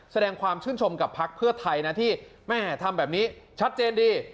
แสดงความชื่นชมกับพักเพื่อไทยนะที่แม่ทำแบบนี้ชัดเจนดี